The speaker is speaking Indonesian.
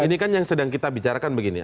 ini kan yang sedang kita bicarakan begini